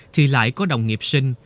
thì lại có đồng nghiệp sinh